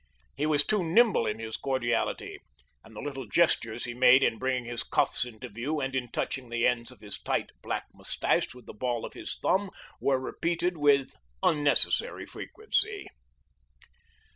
He was too nimble in his cordiality, and the little gestures he made in bringing his cuffs into view and in touching the ends of his tight, black mustache with the ball of his thumb were repeated with unnecessary frequency.